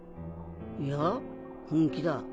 いや本気だ。